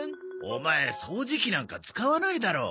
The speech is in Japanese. オマエ掃除機なんか使わないだろ。